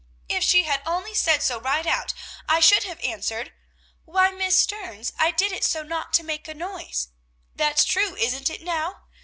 If she had only said so right out, I should have answered, "'Why, Miss Stearns, I did it so not to make a noise;' that's true, isn't it, now?"